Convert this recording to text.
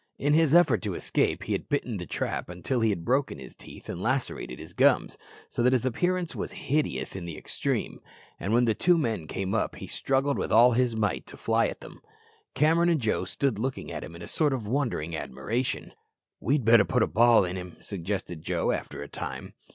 In his efforts to escape he had bitten the trap until he had broken his teeth and lacerated his gums, so that his appearance was hideous in the extreme. And when the two men came up he struggled with all his might to fly at them. Cameron and Joe stood looking at him in a sort of wondering admiration. "We'd better put a ball in him," suggested Joe after a time.